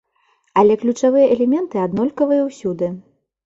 Але ключавыя элементы аднолькавыя ўсюды.